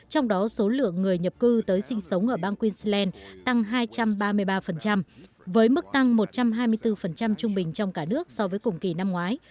trong đó số lượng người nhập cư tới sinh sống ở bang queensland tăng hai trăm ba mươi ba với mức tăng một trăm hai mươi bốn trung bình trong cả nước so với cùng kỳ năm ngoái